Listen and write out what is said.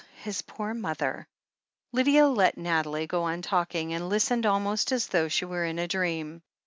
His poor mother!" Lydia let Nathalie go on talking, and listened almost as though she were in a dream.